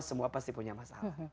semua pasti punya masalah